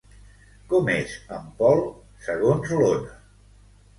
Com és en Pol, segons l'Ona?